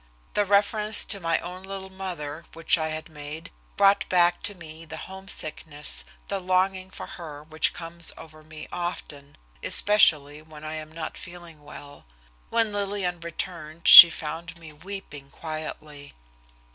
The reference to my own little mother, which I had made, brought back to me the homesickness, the longing for her which comes over me often, especially when I am not feeling well. When Lillian returned she found me weeping quietly.